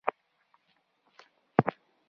استاد د مثبت بدلون پلوی دی.